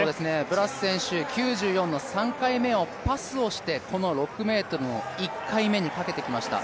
ブラス選手、９４の３回目をパスして、この６ｍの１回目にかけてきました。